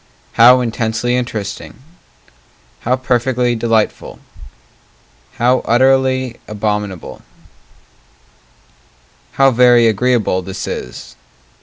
How intensely interesting! How perfectly delightful! How utterly abominable How very agreeable this is!